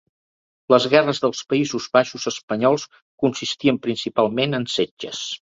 Les guerres dels Països Baixos espanyols consistien principalment en setges.